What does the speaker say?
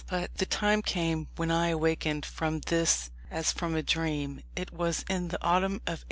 But the time came when I awakened from this as from a dream. It was in the autumn of 1826.